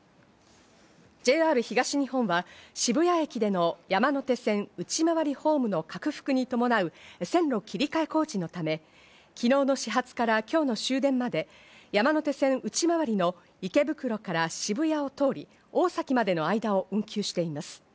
ＪＲ東日本は渋谷駅での山手線内回りホームの拡幅に伴う線路切り替え工事のため、昨日の始発から今日の終電まで山手線内回りの池袋から渋谷を通り、大崎までの間を運休しています。